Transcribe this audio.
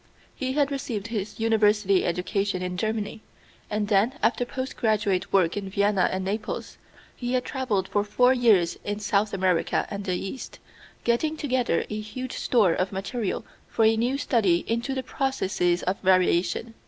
He had received his university education in Germany, and then, after post graduate work in Vienna and Naples, had traveled for four years in South America and the East, getting together a huge store of material for a new study into the processes of variation.